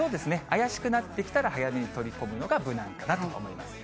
怪しくなってきたら、早めに取り込むのが無難かなと思います。